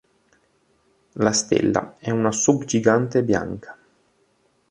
La stella è una subgigante bianca.